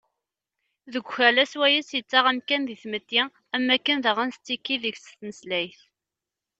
Deg ukala s wayes yettaɣ amkan di tmetti, am wakken daɣen tettekki deg-s tmeslayt.